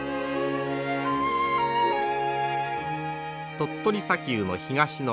鳥取砂丘の東の端